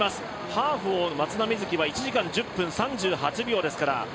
ハーフを松田瑞生は１時間１０分３８秒ですから。